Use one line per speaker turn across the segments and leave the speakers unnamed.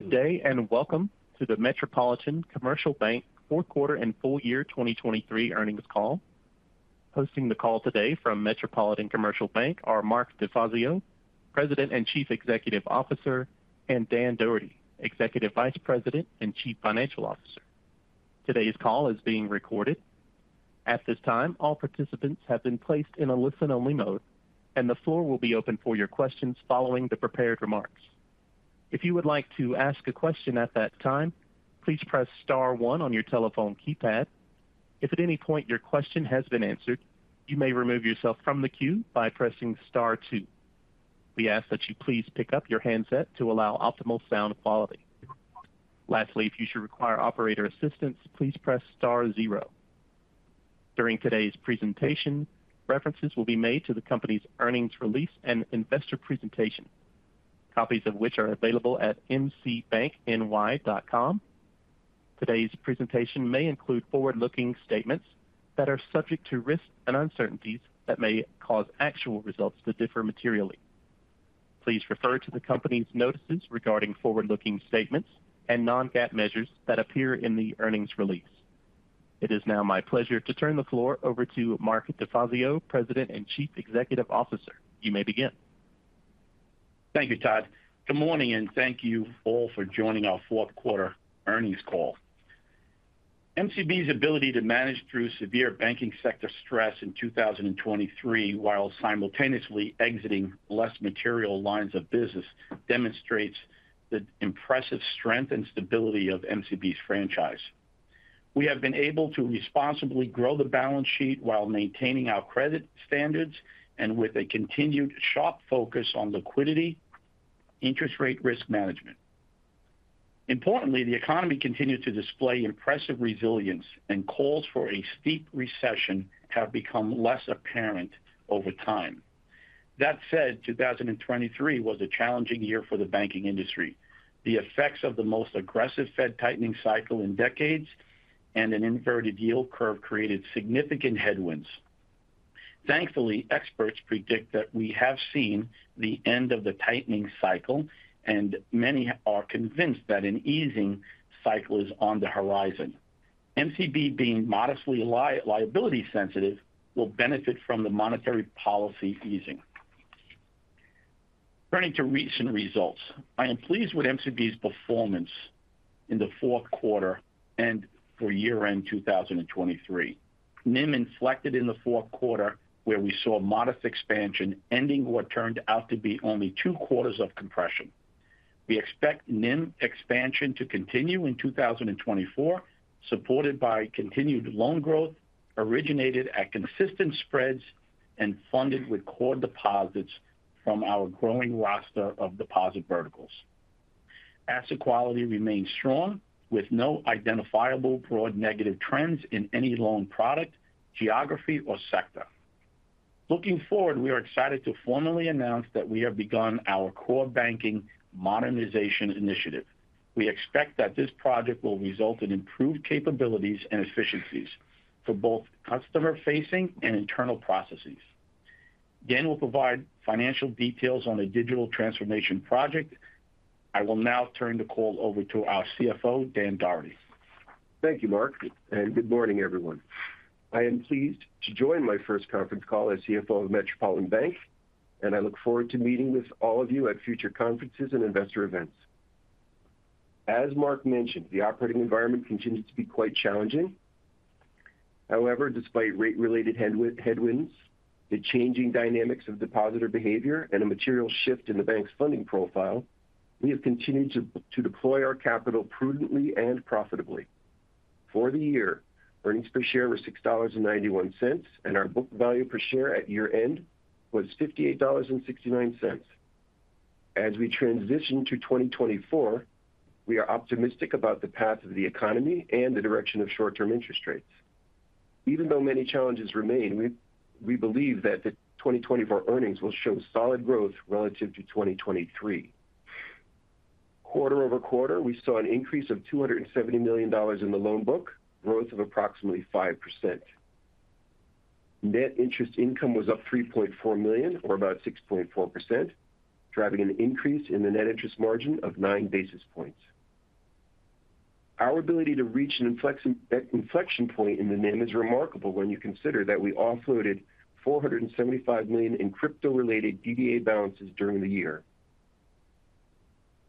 Good day, and welcome to the Metropolitan Commercial Bank Fourth Quarter and Full-Year 2023 Earnings Call. Hosting the call today from Metropolitan Commercial Bank are Mark DeFazio, President and Chief Executive Officer, and Dan Dougherty, Executive Vice President and Chief Financial Officer. Today's call is being recorded. At this time, all participants have been placed in a listen-only mode, and the floor will be open for your questions following the prepared remarks. If you would like to ask a question at that time, please press star one on your telephone keypad. If at any point your question has been answered, you may remove yourself from the queue by pressing star two. We ask that you please pick up your handset to allow optimal sound quality. Lastly, if you should require operator assistance, please press star zero. During today's presentation, references will be made to the company's earnings release and investor presentation, copies of which are available at mcbankny.com. Today's presentation may include forward-looking statements that are subject to risks and uncertainties that may cause actual results to differ materially. Please refer to the company's notices regarding forward-looking statements and non-GAAP measures that appear in the earnings release. It is now my pleasure to turn the floor over to Mark DeFazio, President and Chief Executive Officer. You may begin.
Thank you, Todd. Good morning, and thank you all for joining our fourth quarter earnings call. MCB's ability to manage through severe banking sector stress in 2023, while simultaneously exiting less material lines of business, demonstrates the impressive strength and stability of MCB's franchise. We have been able to responsibly grow the balance sheet while maintaining our credit standards and with a continued sharp focus on liquidity, interest rate risk management. Importantly, the economy continued to display impressive resilience, and calls for a steep recession have become less apparent over time. With that said, 2023 was a challenging year for the banking industry. The effects of the most aggressive Fed tightening cycle in decades and an inverted yield curve created significant headwinds. Thankfully, experts predict that we have seen the end of the tightening cycle, and many are convinced that an easing cycle is on the horizon. MCB, being modestly liability sensitive, will benefit from the monetary policy easing. Turning to recent results, I am pleased with MCB's performance in the fourth quarter and for year-end 2023. NIM inflected in the fourth quarter, where we saw modest expansion, ending what turned out to be only two quarters of compression. We expect NIM expansion to continue in 2024, supported by continued loan growth, originated at consistent spreads and funded with core deposits from our growing roster of deposit verticals. Asset quality remains strong, with no identifiable broad negative trends in any loan product, geography or sector. Looking forward, we are excited to formally announce that we have begun our core banking modernization initiative. We expect that this project will result in improved capabilities and efficiencies for both customer-facing and internal processes. Dan will provide financial details on the digital transformation project. I will now turn the call over to our CFO, Dan Dougherty.
Thank you, Mark, and good morning, everyone. I am pleased to join my first conference call as CFO of Metropolitan Bank, and I look forward to meeting with all of you at future conferences and investor events. As Mark mentioned, the operating environment continues to be quite challenging. However, despite rate-related headwinds, the changing dynamics of depositor behavior and a material shift in the bank's funding profile, we have continued to deploy our capital prudently and profitably. For the year, earnings per share were $6.91, and our book value per share at year-end was $58.69. As we transition to 2024, we are optimistic about the path of the economy and the direction of short-term interest rates. Even though many challenges remain, we believe that the 2024 earnings will show solid growth relative to 2023. Quarter-over-quarter, we saw an increase of $270 million in the loan book, growth of approximately 5%. Net interest income was up $3.4 million, or about 6.4%, driving an increase in the net interest margin of 9 basis points. Our ability to reach an inflection point in the NIM is remarkable when you consider that we offloaded $475 million in crypto-related DDA balances during the year.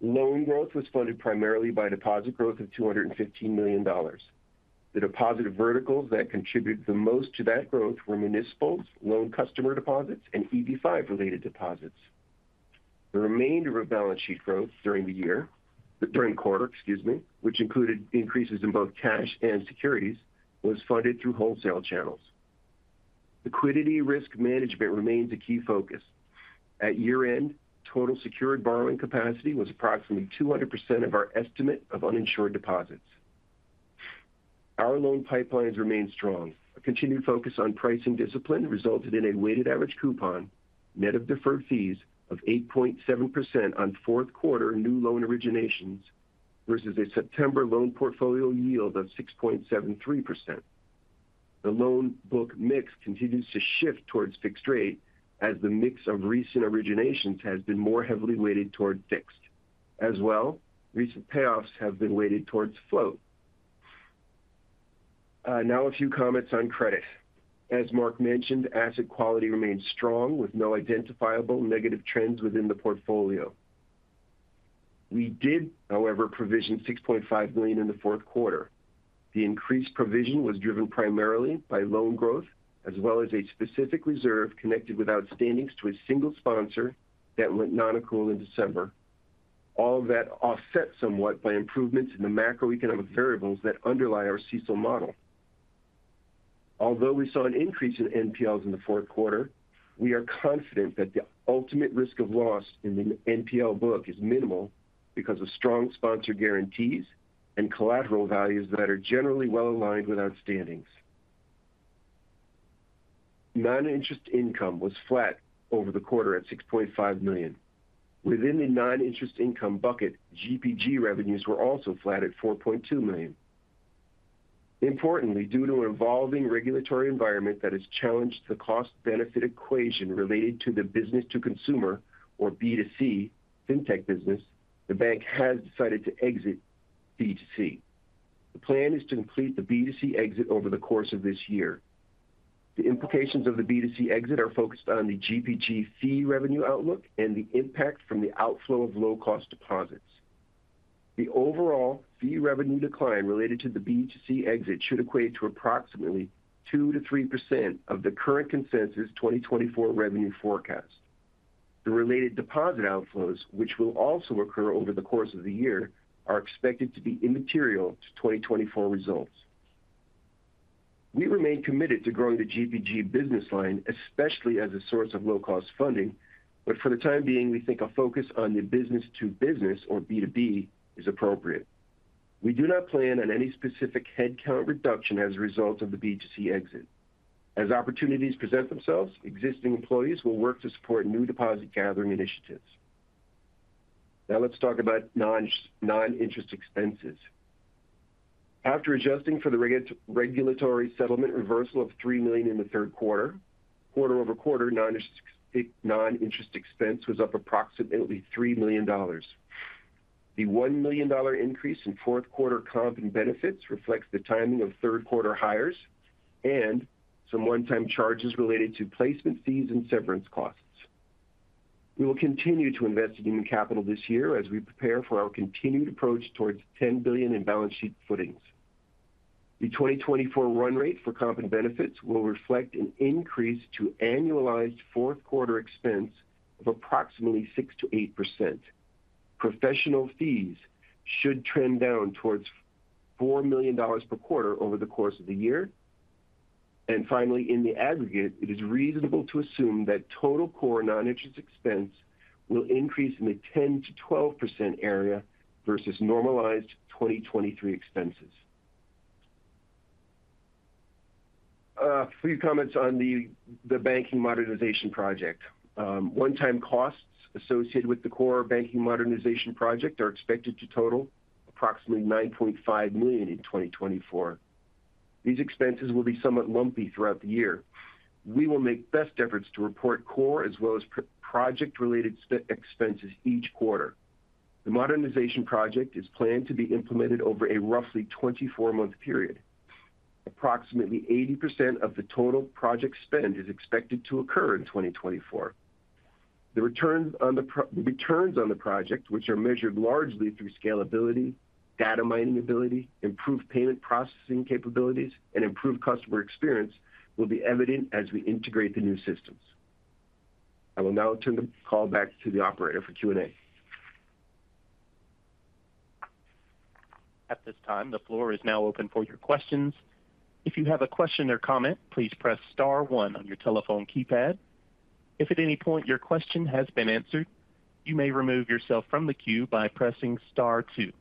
Loan growth was funded primarily by deposit growth of $215 million. The deposit verticals that contributed the most to that growth were municipals, loan customer deposits, and EB-5 related deposits. The remainder of balance sheet growth during the year or during quarter, excuse me, which included increases in both cash and securities, was funded through wholesale channels. Liquidity risk management remains a key focus. At year-end, total secured borrowing capacity was approximately 200% of our estimate of uninsured deposits. Our loan pipelines remain strong. A continued focus on pricing discipline resulted in a weighted average coupon, net of deferred fees, of 8.7% on fourth quarter new loan originations, versus a September loan portfolio yield of 6.73%. The loan book mix continues to shift towards fixed rate as the mix of recent originations has been more heavily weighted toward fixed. As well, recent payoffs have been weighted towards float. Now a few comments on credit. As Mark mentioned, asset quality remains strong, with no identifiable negative trends within the portfolio. We did, however, provision $6.5 million in the fourth quarter. The increased provision was driven primarily by loan growth, as well as a specific reserve connected with outstandings to a single sponsor that went nonaccrual in December. All of that offset somewhat by improvements in the macroeconomic variables that underlie our CECL model. Although we saw an increase in NPLs in the fourth quarter, we are confident that the ultimate risk of loss in the NPL book is minimal because of strong sponsor guarantees and collateral values that are generally well aligned with outstandings. Non-interest income was flat over the quarter at $6.5 million. Within the non-interest income bucket, GPG revenues were also flat at $4.2 million. Importantly, due to an evolving regulatory environment that has challenged the cost-benefit equation related to the business-to-consumer or B2C, fintech business, the bank has decided to exit B2C. The plan is to complete the B2C exit over the course of this year. The implications of the B2C exit are focused on the GPG fee revenue outlook and the impact from the outflow of low-cost deposits. The overall fee revenue decline related to the B2C exit should equate to approximately 2% to 3% of the current consensus 2024 revenue forecast. The related deposit outflows, which will also occur over the course of the year, are expected to be immaterial to 2024 results. We remain committed to growing the GPG business line, especially as a source of low-cost funding. But for the time being, we think a focus on the business-to-business, or B2B, is appropriate. We do not plan on any specific headcount reduction as a result of the B2C exit. As opportunities present themselves, existing employees will work to support new deposit gathering initiatives. Now, let's talk about non-interest expenses. After adjusting for the regulatory settlement reversal of $3 million in the third quarter, quarter-over-quarter, non-interest expense was up approximately $3 million. The $1 million increase in fourth quarter comp and benefits reflects the timing of third quarter hires and some one-time charges related to placement fees and severance costs. We will continue to invest in human capital this year as we prepare for our continued approach towards $10 billion in balance sheet footings. The 2024 run rate for comp and benefits will reflect an increase to annualized fourth quarter expense of approximately 6% to 8%. Professional fees should trend down towards $4 million per quarter over the course of the year. Finally, in the aggregate, it is reasonable to assume that total core non-interest expense will increase in the 10% to 12% area versus normalized 2023 expenses. A few comments on the banking modernization project. One-time costs associated with the core banking modernization project are expected to total approximately $9.5 million in 2024. These expenses will be somewhat lumpy throughout the year. We will make best efforts to report core as well as project-related expenses each quarter. The modernization project is planned to be implemented over a roughly 24-month period. Approximately 80% of the total project spend is expected to occur in 2024. The returns on the project, which are measured largely through scalability, data mining ability, improved payment processing capabilities, and improved customer experience, will be evident as we integrate the new systems. I will now turn the call back to the operator for Q&A.
At this time, the floor is now open for your questions. If you have a question or comment, please press star one on your telephone keypad. If at any point your question has been answered, you may remove yourself from the queue by pressing star two.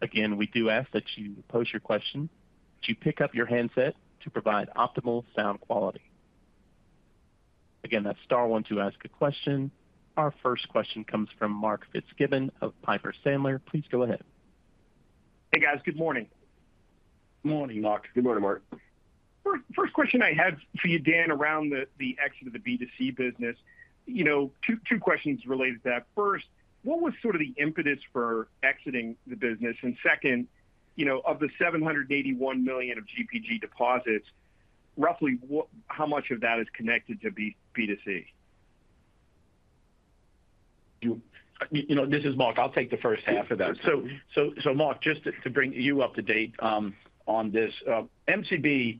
Again, we do ask that you pose your question, that you pick up your handset to provide optimal sound quality. Again, that's star one to ask a question. Our first question comes from Mark Fitzgibbon of Piper Sandler. Please go ahead.
Hey, guys. Good morning.
Morning, Mark.
Good morning, Mark.
First question I had for you, Dan, around the exit of the B2C business. You know, two questions related to that. First, what was sort of the impetus for exiting the business? And second, you know, of the $781 million of GPG deposits, roughly how much of that is connected to B2C?
You know, this is Mark. I'll take the first half of that. So, Mark, just to bring you up to date on this, MCB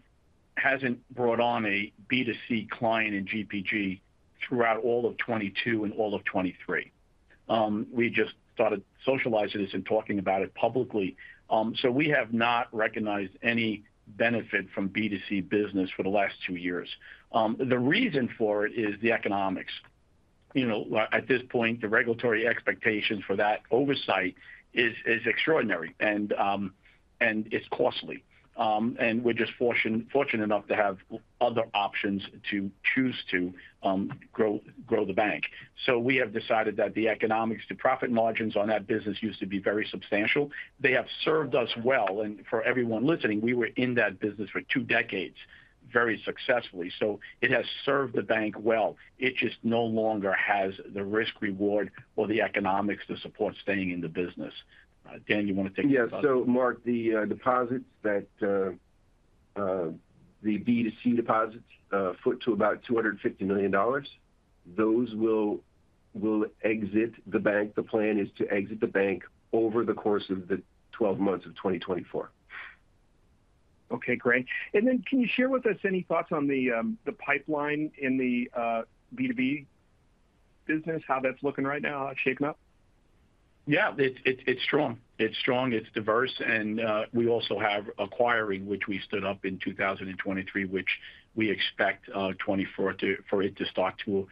hasn't brought on a B2C client in GPG throughout all of 2022 and all of 2023. We just thought of socializing this and talking about it publicly. So we have not recognized any benefit from B2C business for the last two years. The reason for it is the economics. You know, at this point, the regulatory expectations for that oversight is extraordinary, and it's costly. And we're just fortunate enough to have other options to choose to grow the bank. So we have decided that the economics, the profit margins on that business used to be very substantial. They have served us well, and for everyone listening, we were in that business for two decades very successfully. So it has served the bank well. It just no longer has the risk reward or the economics to support staying in the business. Dan, you want to take this one?
Yeah. So Mark, the deposits, the B2C deposits foot to about $250 million. Those will exit the bank. The plan is to exit the bank over the course of the 12 months of 2024.
Okay, great. And then can you share with us any thoughts on the pipeline in the B2B business? How that's looking right now, shaping up?
Yeah, it's strong. It's strong, it's diverse, and we also have acquiring, which we stood up in 2023, which we expect 2024 for it to start to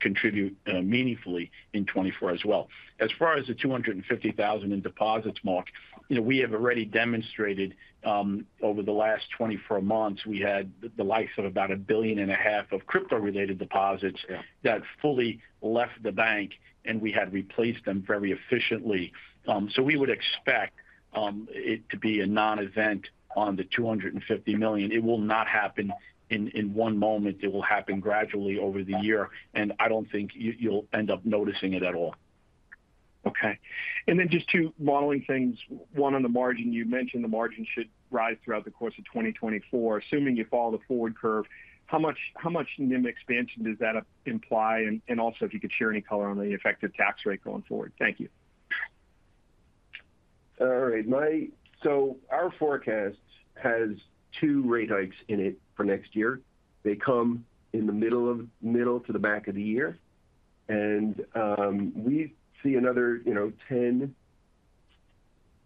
contribute meaningfully in 2024 as well. As far as the 250,000 in deposits mark, you know, we have already demonstrated over the last 24 months, we had the likes of about $1.5 billion of crypto-related deposits that fully left the bank, and we had replaced them very efficiently. So we would expect it to be a non-event on the $250 million. It will not happen in one moment. It will happen gradually over the year, and I don't think you, you'll end up noticing it at all.
Okay. And then just two modeling things. One, on the margin, you mentioned the margin should rise throughout the course of 2024. Assuming you follow the forward curve, how much, how much NIM expansion does that imply? And, and also, if you could share any color on the effective tax rate going forward. Thank you.
All right, Mike. So our forecast has two rate hikes in it for next year. They come in the middle to the back of the year. And we see another, you know, 10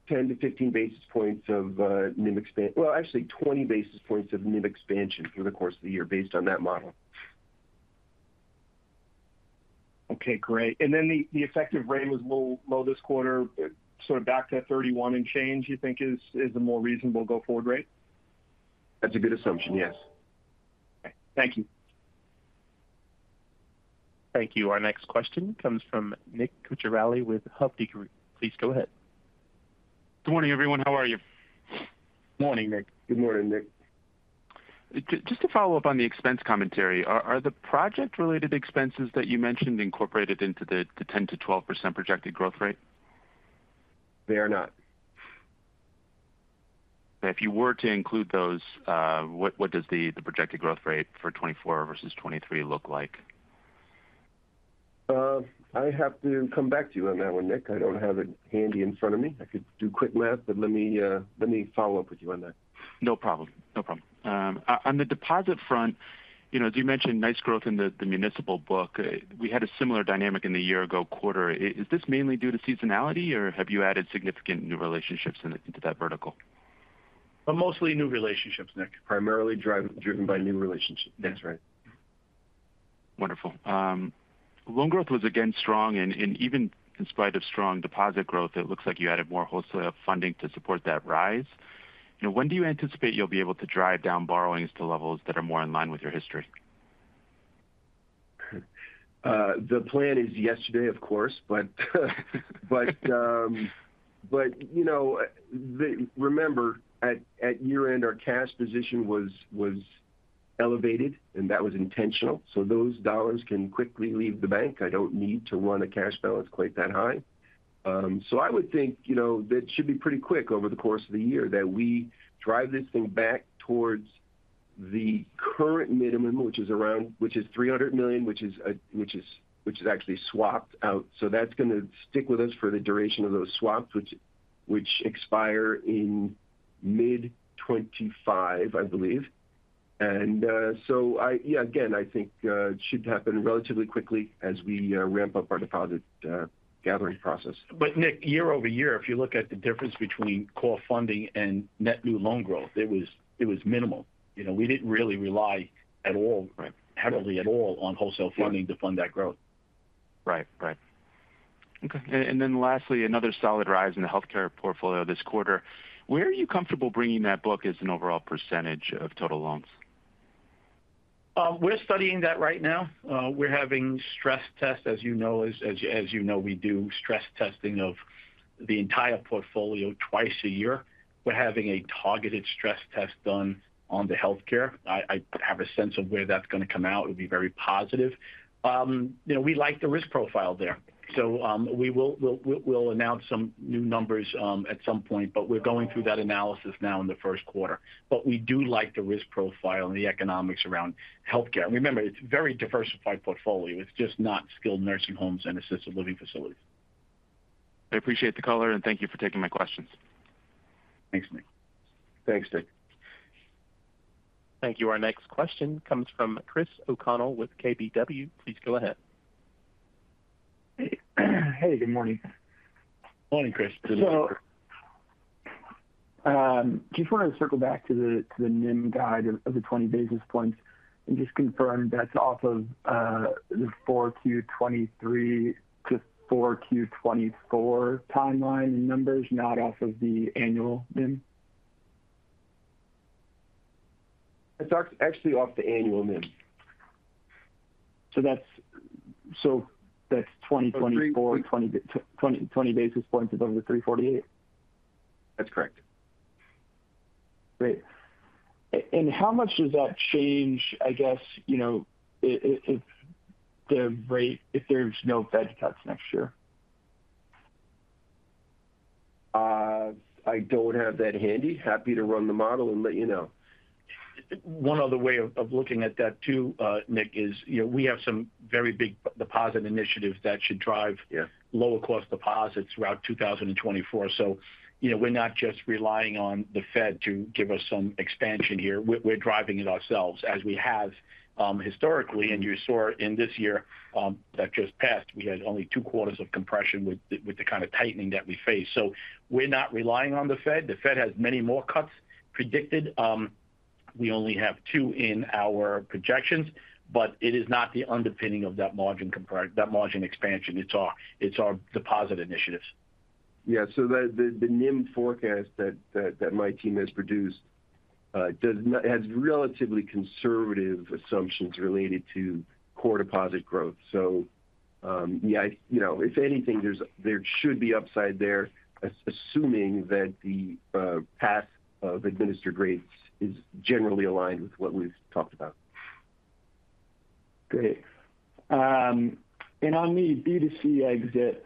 to 15 basis points of NIM, well, actually, 20 basis points of NIM expansion through the course of the year based on that model.
Okay, great. And then the effective rate was low this quarter, sort of back to 31 and change, you think is a more reasonable go-forward rate?
That's a good assumption, yes.
Okay. Thank you.
Thank you. Our next question comes from Nick Cucharale with Hovde Group. You can please go ahead.
Good morning, everyone. How are you?
Morning, Nick.
Good morning, Nick.
Just to follow up on the expense commentary, are the project-related expenses that you mentioned incorporated into the 10%-12% projected growth rate?
They are not.
If you were to include those, what does the projected growth rate for 2024 versus 2023 look like?
I have to come back to you on that one, Nick. I don't have it handy in front of me. I could do quick math, but let me, let me follow up with you on that.
No problem. No problem. On the deposit front, you know, as you mentioned, nice growth in the municipal book. We had a similar dynamic in the year-ago quarter. Is this mainly due to seasonality, or have you added significant new relationships into that vertical?
Well, mostly new relationships, Nick. Primarily driven by new relationships. That's right.
Wonderful. Loan growth was again strong, and even in spite of strong deposit growth, it looks like you added more wholesale funding to support that rise. You know, when do you anticipate you'll be able to drive down borrowings to levels that are more in line with your history?
The plan is yesterday, of course, but you know, remember, at year-end, our cash position was elevated, and that was intentional. So those dollars can quickly leave the bank. I don't need to run a cash balance quite that high. So I would think, you know, that should be pretty quick over the course of the year, that we drive this thing back towards the current minimum, which is around $300 million, which is actually swapped out. So that's going to stick with us for the duration of those swaps, which expire in mid-2025, I believe. And so, yeah, again, I think it should happen relatively quickly as we ramp up our deposit gathering process.
But Nick, year-over-year, if you look at the difference between core funding and net new loan growth, it was minimal. You know, we didn't really rely at all, heavily at all on wholesale funding to fund that growth.
Right. Right. Okay. And, and then lastly, another solid rise in the healthcare portfolio this quarter. Where are you comfortable bringing that book as an overall percentage of total loans?
We're studying that right now. We're having stress tests. As you know, we do stress testing of the entire portfolio twice a year. We're having a targeted stress test done on the healthcare. I have a sense of where that's going to come out. It will be very positive. You know, we like the risk profile there. So, we will announce some new numbers at some point, but we're going through that analysis now in the first quarter. But we do like the risk profile and the economics around healthcare. Remember, it's a very diversified portfolio. It's just not skilled nursing homes and assisted living facilities.
I appreciate the color, and thank you for taking my questions.
Thanks, Nick.
Thanks, Nick.
Thank you. Our next question comes from Chris O'Connell with KBW. Please go ahead.
Hey, good morning.
Morning, Chris.
So, just wanted to circle back to the NIM guide of 20 basis points and just confirm that's off of the 4Q 2023 to 4Q 2024 timeline numbers, not off of the annual NIM?
It's off, actually off the annual NIM.
So that's 2024.
20.
20 basis points above the 3.48?
That's correct.
Great. And how much does that change, you know, if the rate, if there's no Fed cuts next year?
I don't have that handy, happy to run the model and let you know.
One other way of looking at that too, Nick, is, you know, we have some very big deposit initiatives that should drive lower cost deposits throughout 2024. So, you know, we're not just relying on the Fed to give us some expansion here. We're driving it ourselves, as we have historically, and you saw in this year that just passed, we had only two quarters of compression with the kind of tightening that we faced. So we're not relying on the Fed. The Fed has many more cuts predicted. We only have two in our projections, but it is not the underpinning of that margin expansion. It's our deposit initiatives.
Yeah. So the NIM forecast that my team has produced has relatively conservative assumptions related to core deposit growth. So, yeah, you know, if anything, there should be upside there, assuming that the path of administered rates is generally aligned with what we've talked about.
Great. And on the B2C exit,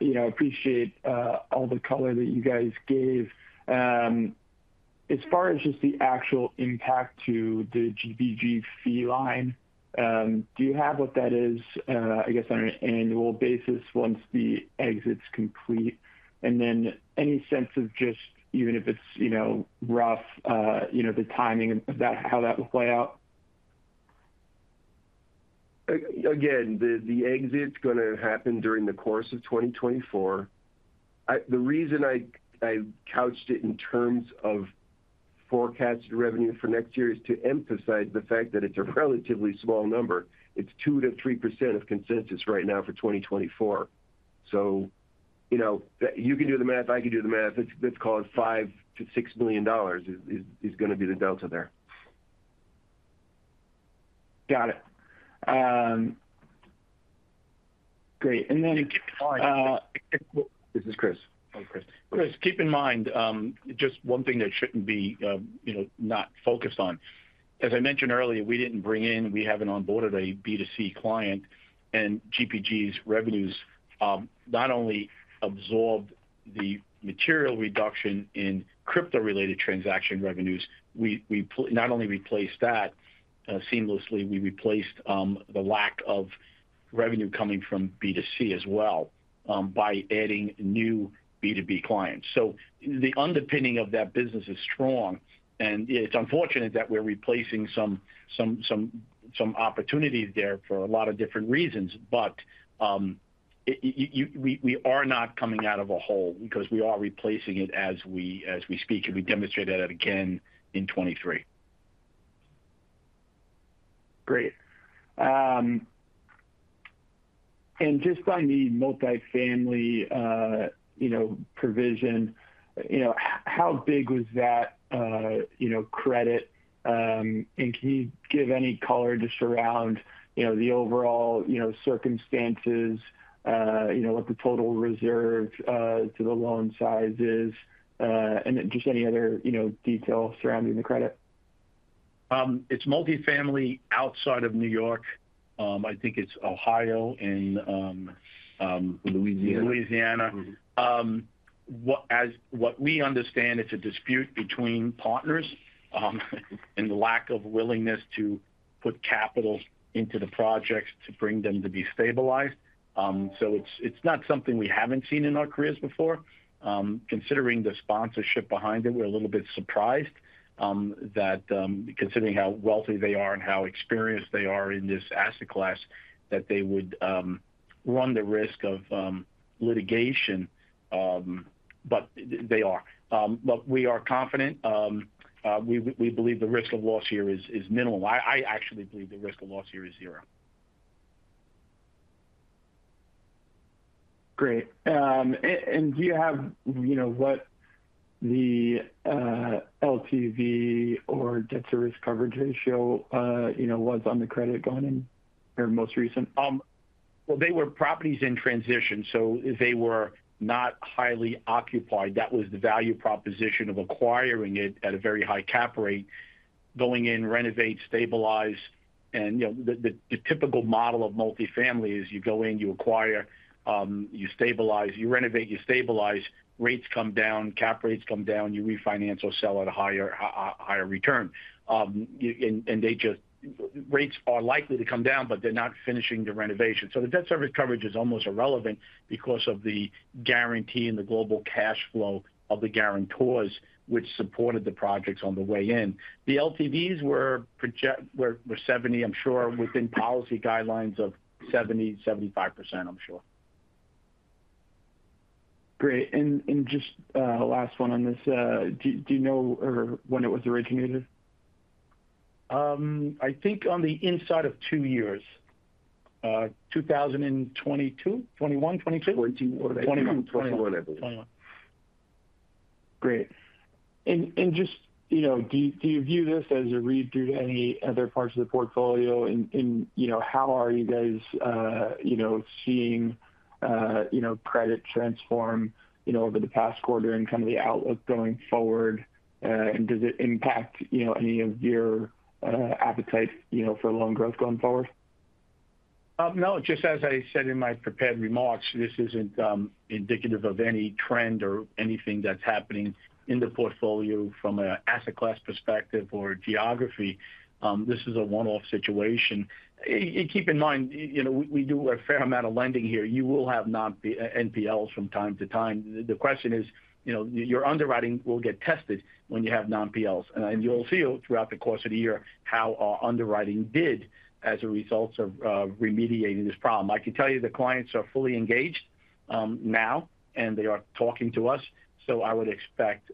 you know, I appreciate all the color that you guys gave. As far as just the actual impact to the GPG fee line, do you have what that is on an annual basis once the exit's complete? And then any sense of just even if it's, you know, rough, you know, the timing of that, how that will play out?
Again, the exit's going to happen during the course of 2024. The reason I couched it in terms of forecasted revenue for next year is to emphasize the fact that it's a relatively small number. It's 2% to 3% of consensus right now for 2024. So you know, that you can do the math, I can do the math. It's, let's call it $5 million to $6 million going to be the delta there.
Got it. Great. And then.
This is Chris.
Oh, Chris. Chris, keep in mind, just one thing that shouldn't be, you know, not focused on. As I mentioned earlier, we didn't bring in, we haven't onboarded a B2C client, and GPG's revenues not only absorbed the material reduction in crypto-related transaction revenues, we not only replaced that seamlessly, we replaced the lack of revenue coming from B2C as well by adding new B2B clients. So the underpinning of that business is strong, and it's unfortunate that we're replacing some opportunities there for a lot of different reasons. But we are not coming out of a hole because we are replacing it as we speak, and we demonstrated that again in 2023.
Great. And just on the multifamily, you know, provision, you know, how big was that, you know, credit? And can you give any color just around, you know, the overall, you know, circumstances, you know, what the total reserve to the loan size is, and just any other, you know, details surrounding the credit?
It's multifamily outside of New York. I think it's Ohio.
Louisiana.
And Louisiana. As we understand, it's a dispute between partners, and the lack of willingness to put capital into the projects to bring them to be stabilized. So it's not something we haven't seen in our careers before. Considering the sponsorship behind it, we're a little bit surprised that, considering how wealthy they are and how experienced they are in this asset class, that they would run the risk of litigation, but they are. But we are confident. We believe the risk of loss here is minimal. I actually believe the risk of loss here is zero.
Great. And do you have, you know, what the LTV or debt service coverage ratio, you know, was on the credit going in or most recent?
Well, they were properties in transition, so they were not highly occupied. That was the value proposition of acquiring it at a very high cap rate, going in, renovate, stabilize. And, you know, the typical model of multifamily is you go in, you acquire, you stabilize, you renovate, you stabilize, rates come down, cap rates come down, you refinance or sell at a higher return. And they just, rates are likely to come down, but they're not finishing the renovation. So the debt service coverage is almost irrelevant because of the guarantee and the global cash flow of the guarantors, which supported the projects on the way in. The LTVs were 70, I'm sure, within policy guidelines of 70% to 75%, I'm sure.
Great. And just last one on this, do you know or when it was originated?
I think on the inside of two years, 2022, 2021, 2022?
2021.
2021.
2021, I believe.
2021.
Great. And just, you know, do you view this as a read through to any other parts of the portfolio, and you know, how are you guys, you know, seeing, you know, credit transform, you know, over the past quarter and kind of the outlook going forward? And does it impact, you know, any of your appetite, you know, for loan growth going forward?
No, just as I said in my prepared remarks, this isn't indicative of any trend or anything that's happening in the portfolio from an asset class perspective or geography. This is a one-off situation. Keep in mind, you know, we do a fair amount of lending here. You will have NPLs from time to time. The question is, you know, your underwriting will get tested when you have NPLs. And you'll see throughout the course of the year how our underwriting did as a result of remediating this problem. I can tell you the clients are fully engaged now, and they are talking to us, so I would expect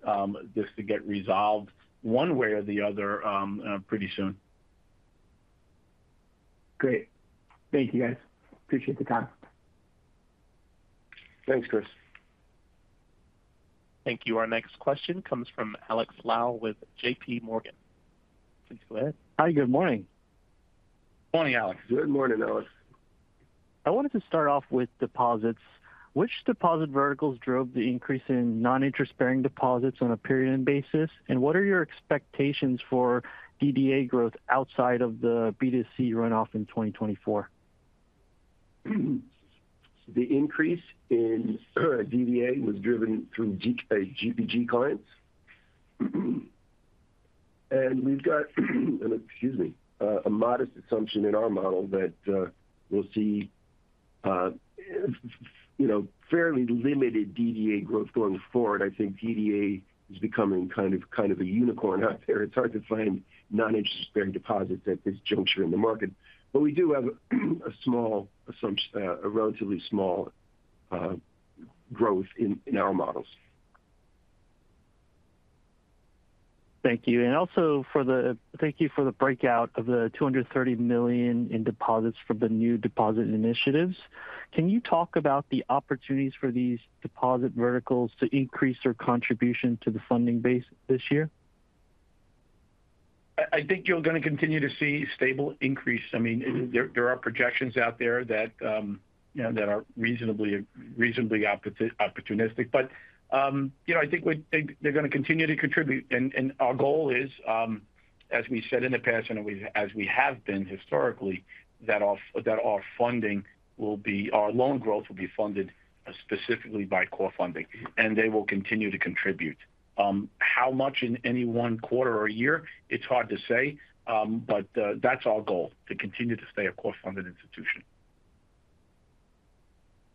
this to get resolved one way or the other pretty soon.
Great. Thank you, guys. Appreciate the time.
Thanks, Chris.
Thank you. Our next question comes from Alex Lau with JPMorgan. Please go ahead.
Hi, good morning.
Morning, Alex.
Good morning, Alex.
I wanted to start off with deposits. Which deposit verticals drove the increase in non-interest-bearing deposits on a period-end basis? And what are your expectations for DDA growth outside of the B2C runoff in 2024?
The increase in DDA was driven through GPG clients. We've got, excuse me, a modest assumption in our model that we'll see, you know, fairly limited DDA growth going forward. I think DDA is becoming kind of a unicorn out there. It's hard to find non-interest-bearing deposits at this juncture in the market. But we do have a small, a relatively small growth in our models.
Thank you. And also, thank you for the breakout of the $230 million in deposits from the new deposit initiatives. Can you talk about the opportunities for these deposit verticals to increase their contribution to the funding base this year?
I think you're going to continue to see stable increase. I mean, there are projections out there that, you know, that are reasonably opportunistic. But, you know, I think they're going to continue to contribute. And our goal is, as we said in the past, and as we have been historically, that our funding will be our loan growth will be funded specifically by core funding, and they will continue to contribute. How much in any one quarter or year? It's hard to say. But that's our goal, to continue to stay a core-funded institution.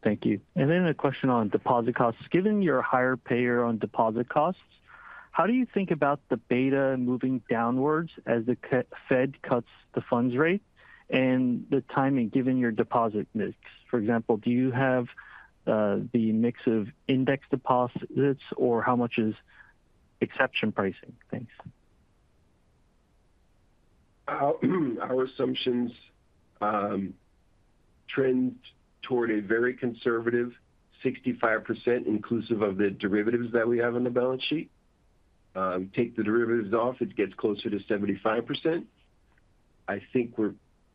Thank you. And then a question on deposit costs. Given your higher pay rate on deposit costs, how do you think about the beta moving downwards as the Fed cuts the funds rate and the timing, given your deposit mix? For example, do you have the mix of index deposits, or how much is exception pricing? Thanks.
Our assumptions trend toward a very conservative 65%, inclusive of the derivatives that we have on the balance sheet. We take the derivatives off, it gets closer to 75%. I think we're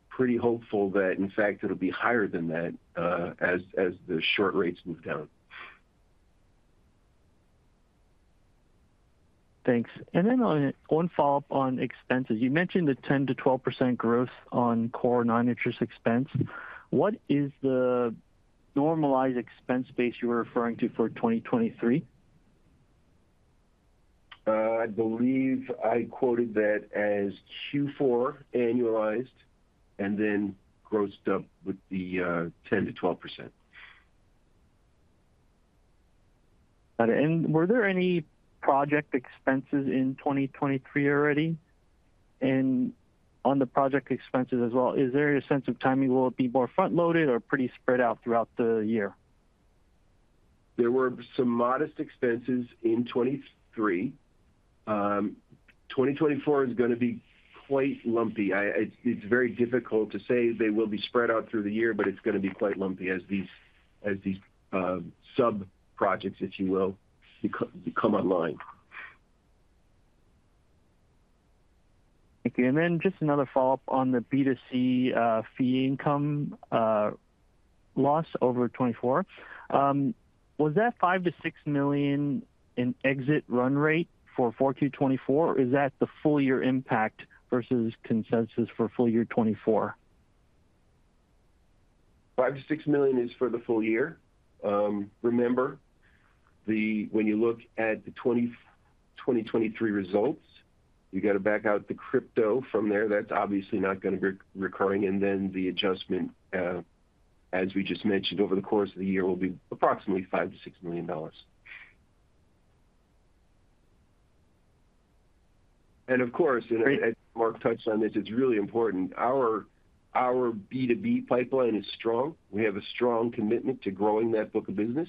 pretty hopeful that, in fact, it'll be higher than that, as the short rates move down.
Thanks. And then on one follow-up on expenses. You mentioned the 10% to 12% growth on core non-interest expense. What is the normalized expense base you were referring to for 2023?
I believe I quoted that as Q4 annualized, and then grossed up with the 10% to 12%.
Got it. Were there any project expenses in 2023 already? On the project expenses as well, is there a sense of timing? Will it be more front-loaded or pretty spread out throughout the year?
There were some modest expenses in 2023. 2024 is going to be quite lumpy. It's very difficult to say. They will be spread out through the year, but it's going to be quite lumpy as these sub-projects, if you will, come online.
Thank you. Just another follow-up on the B2C fee income loss over 2024. Was that $5 million-$6 million in exit run rate for 4Q 2024, or is that the full-year impact versus consensus for full year 2024?
$5 million to $6 million is for the full-year. Remember, when you look at the 2023 results, you got to back out the crypto from there. That's obviously not going to be recurring, and then the adjustment, as we just mentioned, over the course of the year, will be approximately $5 million to $6 million. And of course, and I, and Mark touched on this, it's really important. Our B2B pipeline is strong. We have a strong commitment to growing that book of business,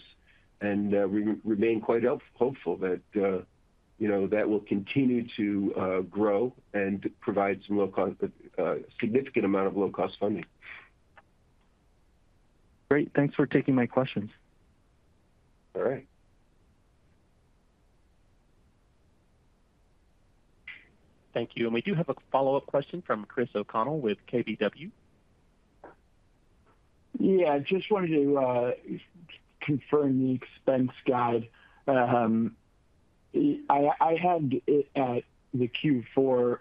and we remain quite hopeful that, you know, that will continue to grow and provide some low-cost, a significant amount of low-cost funding.
Great. Thanks for taking my questions.
All right.
Thank you. And we do have a follow-up question from Chris O'Connell with KBW.
Yeah, I just wanted to confirm the expense guide. I had it at the Q4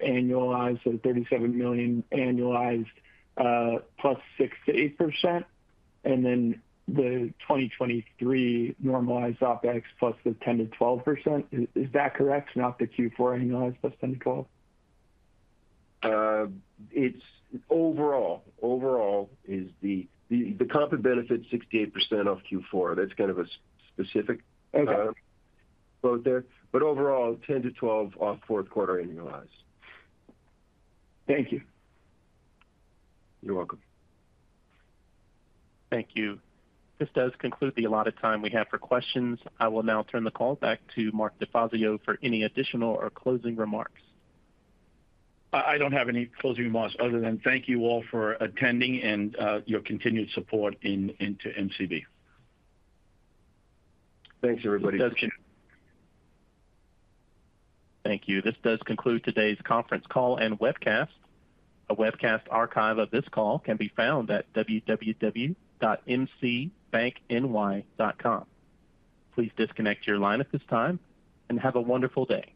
annualized, so $37 million annualized, +6% to 8%, and then the 2023 normalized OpEx +10% to 12%. Is that correct? Not the Q4 annualized +10% to 12%?
It's overall. Overall is the comp and benefit, 68% off Q4. That's kind of a specific quote there. But overall, 10% to12% off fourth quarter annualized.
Thank you.
You're welcome.
Thank you. This does conclude the allotted time we have for questions. I will now turn the call back to Mark DeFazio for any additional or closing remarks.
I don't have any closing remarks, other than thank you all for attending and your continued support into MCB.
Thanks, everybody.
Thank you. This does conclude today's conference call and webcast. A webcast archive of this call can be found at www.mcbankny.com. Please disconnect your line at this time, and have a wonderful day.